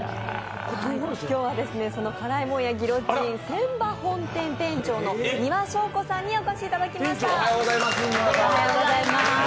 今日はその辛いもんやギロチン船場本店店長の丹羽翔子さんにお越しいただきました。